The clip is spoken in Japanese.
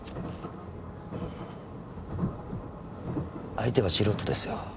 相手は素人ですよ。